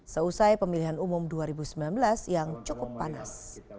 seusai pemilihan umum dua ribu sembilan belas yang cukup panas